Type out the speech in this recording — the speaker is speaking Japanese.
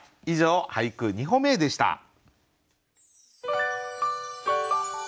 以上「俳句、二歩目へ」でした。